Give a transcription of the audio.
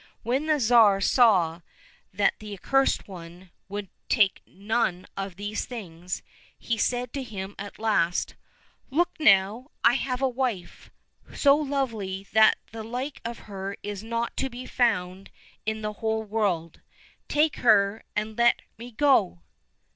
When the Tsar saw that the Accursed One would take none of all these things, he said to him at last, " Look now ! I have a wife so lovely that the like of her is not to be found in the whole world, take her and let me go